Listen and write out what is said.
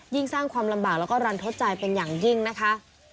สร้างความลำบากแล้วก็รันทดใจเป็นอย่างยิ่งนะคะ